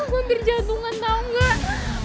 gue hampir jatuh kan tau gak